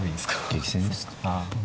激戦ですね。